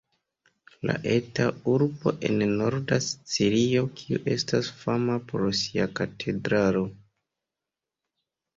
La eta urbo en norda Sicilio kiu estas fama pro sia katedralo.